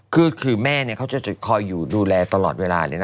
คือแม่เขาจะคอยอยู่ดูแลตลอดเวลาเลยนะ